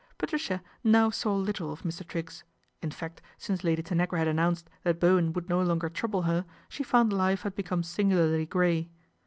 Patricia now saw little of Mr. Triggs, in fact since Lady Tanagra had announced that Bowen would no longer trouble her, she found life had become singularly grey.